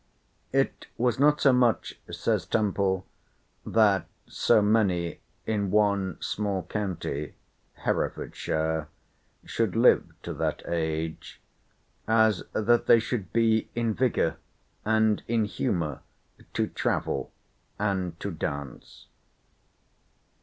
"It was not so much (says Temple) that so many in one small county (Herefordshire) should live to that age, as that they should be in vigour and in humour to travel and to dance."